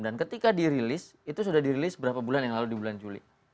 dan ketika dirilis itu sudah dirilis berapa bulan yang lalu di bulan juli